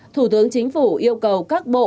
thủ tướng chính phủ yêu cầu các bộ